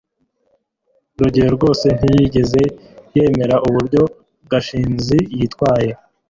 rugeyo rwose ntiyigeze yemera uburyo gashinzi yitwaye